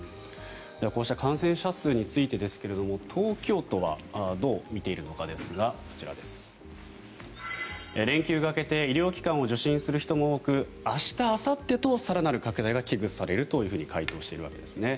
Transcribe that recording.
こうした感染者数についてですが東京都はどう見ているのかですが連休が明けて医療機関を受診する人も多く明日、あさってと更なる拡大が危惧されると回答しているわけです。